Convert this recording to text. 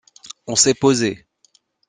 On s’est posé.